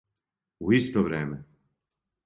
У исто време!